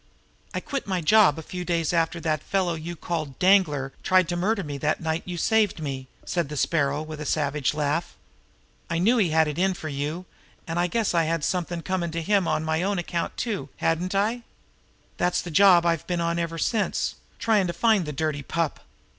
"I quit my job a few days after that fellow you called Danglar tried to murder me that night you saved me," said the Sparrow, with a savage laugh. "I knew he had it in for you, and I guess I had something comm' to him on my own account too, hadn't I? That's the job I've been on ever since tryin' to find the dirty pup.